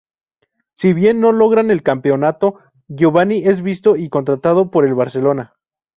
Si bien no logran el campeonato, Giovanni es visto y contratado por el Barcelona.